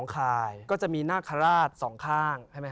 พระพุทธพิบูรณ์ท่านาภิรม